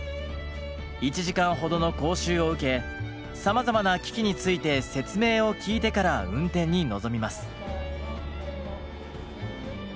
１時間ほどの講習を受けさまざまな機器について説明を聞いてから運転に臨みます。